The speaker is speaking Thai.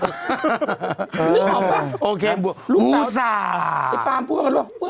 นึกออกปะลูกสาวไอ้ปามพูดว่าอย่างนั้นหรือ